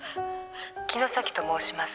「城崎と申します。